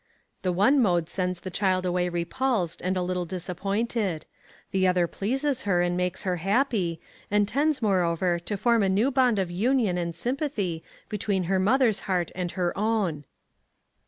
The one mode sends the child away repulsed and a little disappointed; the other pleases her and makes her happy, and tends, moreover, to form a new bond of union and sympathy between her mother's heart and her own.